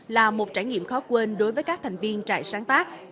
là một trải nghiệm khó quên đối với các thành viên trại sáng tác